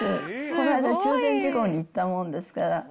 この間、中禅寺湖に行ったもんですから。